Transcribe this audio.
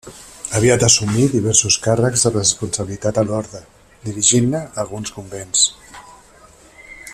Aviat assumí diversos càrrecs de responsabilitat a l'orde, dirigint-ne alguns convents.